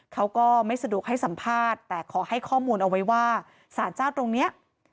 เขาก็ไม่สะดวกให้สัมภาษณ์แต่ขอให้ข้อมูลเอาไว้ว่าสารเจ้าตรงเนี้ย